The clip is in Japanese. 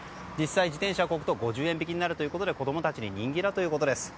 実際、自転車をこぐと５０円引きになって子供たちに人気だということです。